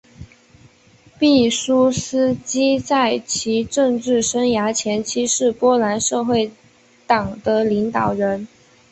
毕苏斯基在其政治生涯前期是波兰社会党的领导人。